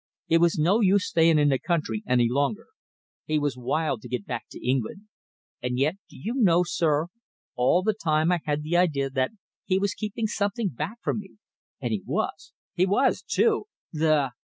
It was no use staying in the country any longer. He was wild to get back to England. And yet, do you know, sir, all the time I had the idea that he was keeping something back from me. And he was! He was, too! The